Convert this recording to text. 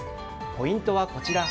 ポイントはこちら。